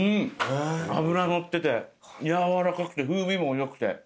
脂乗っててやわらかくて風味もよくて。